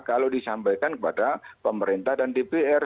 kalau disampaikan kepada pemerintah dan dpr